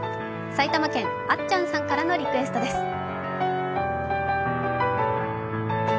埼玉県あっちゃんさんからのリクエストです。